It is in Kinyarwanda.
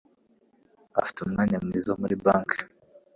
Afite umwanya mwiza muri banki.